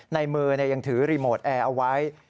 ในมือยังถือรีโมทแอร์เอาไว้